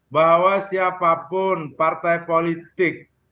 bahwa siapapun partai politik